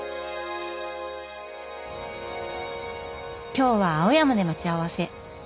今日は青山で待ち合わせ。